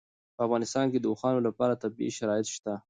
په افغانستان کې د اوښانو لپاره طبیعي شرایط شته.